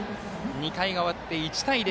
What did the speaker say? ２回が終わって１対０。